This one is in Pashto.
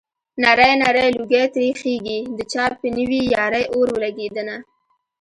نری نری لوګی ترې خيږي د چا په نوې يارۍ اور ولګېدنه